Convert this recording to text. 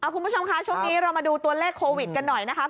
คุณผู้ชมคะช่วงนี้เรามาดูตัวเลขโควิดกันหน่อยนะคะ